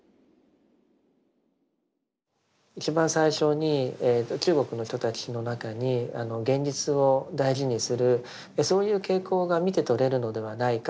一番最初に中国の人たちの中に現実を大事にするそういう傾向が見てとれるのではないかという話をいたしましたけれども。